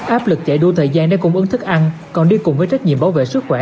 áp lực chạy đua thời gian để cung ứng thức ăn còn đi cùng với trách nhiệm bảo vệ sức khỏe